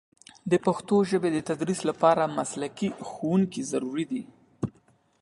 د پښتو ژبې د تدریس لپاره مسلکي ښوونکي ضروري دي.